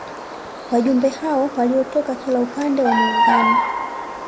Wajumbe hao walitoka kila upande wa Muungano